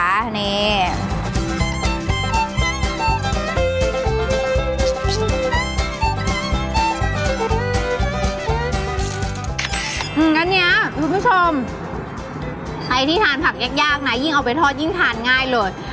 งั้นเนี่ยคุณผู้ชมใครที่ทานผักยากนะยิ่งเอาไปทอดยิ่งทานง่ายเลย